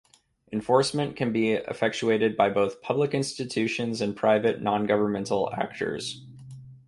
Enforcement can be effectuated by both public institutions and private, non-governmental actors.